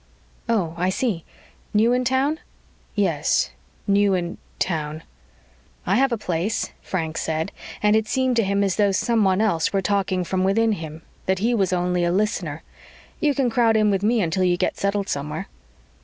"Oh, I see. New in town?" "Yes, new in town." "I have a place," Frank said, and it seemed to him as though someone else were talking from within him that he was only a listener. "You can crowd in with me until you get settled somewhere."